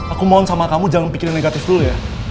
aku mohon sama kamu jangan pikirin negatif dulu ya